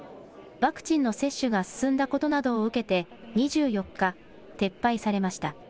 ワクチンの接種が進んだことなどを受けて、２４日、撤廃されました。